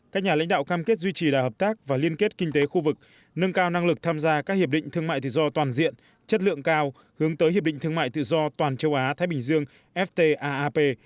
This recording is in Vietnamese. các nhà lãnh đạo cam kết duy trì đà hợp tác và liên kết kinh tế khu vực nâng cao năng lực tham gia các hiệp định thương mại tự do toàn diện chất lượng cao hướng tới hiệp định thương mại tự do toàn châu á thái bình dương ftap